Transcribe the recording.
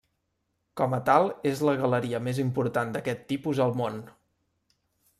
Com a tal és la galeria més important d'aquest tipus al món.